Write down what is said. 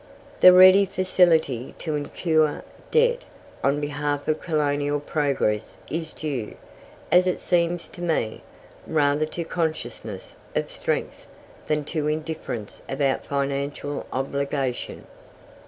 The ready facility to incur debt on behalf of colonial progress is due, as it seems to me, rather to consciousness of strength than to indifference about financial obligation.